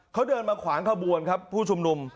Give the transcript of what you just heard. เขาเดินมาขวางขบวนครับผู้ชุมนุม